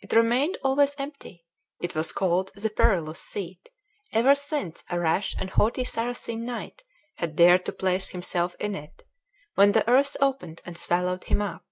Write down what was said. It remained always empty. It was called the PERILOUS SEAT, ever since a rash and haughty Saracen knight had dared to place himself in it, when the earth opened and swallowed him up.